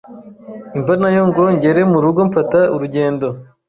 imvanayo ngo ngere mu rugo mfata urugendo